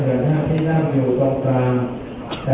จะเห็นความทรงที่ในบดในสถานที่ไหว